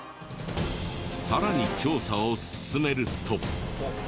さらに調査を進めると。